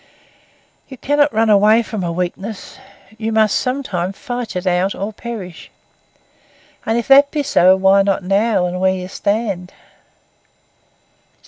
You cannot run away from a weakness; you must some time fight it out or perish; and if that be so, why not now, and where you stand?